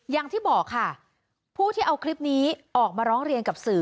อย่างที่บอกค่ะผู้ที่เอาคลิปนี้ออกมาร้องเรียนกับสื่อ